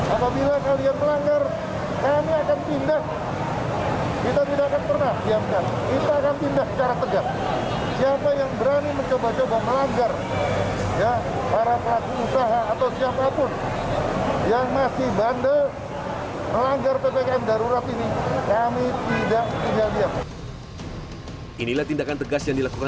apabila kalian melanggar kami akan tindak kita tidak akan pernah diamkan